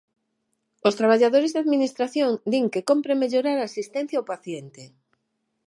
Os traballadores de administración din que cómpre mellorar a asistencia ao paciente.